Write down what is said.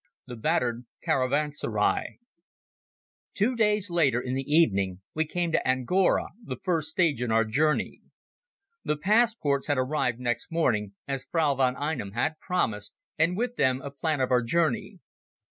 The Battered Caravanserai Two days later, in the evening, we came to Angora, the first stage in our journey. The passports had arrived next morning, as Frau von Einem had promised, and with them a plan of our journey.